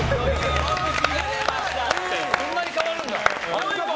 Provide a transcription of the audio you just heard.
こんなに変わるんだ。